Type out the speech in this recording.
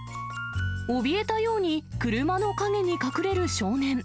おびえたように、車の陰に隠れる少年。